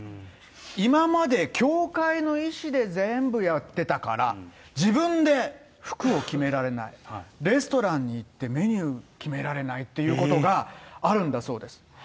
今まで教会の意思で全部やってたから、自分で服を決められない、レストランに行ってメニュー決められないということがあるんだそうです。